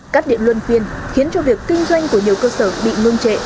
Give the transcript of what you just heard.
cắt điện luân phiên khiến cho việc kinh doanh của nhiều cơ sở bị ngưng trệ